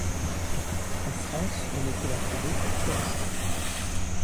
En France, on ne peut la trouver qu'en Corse.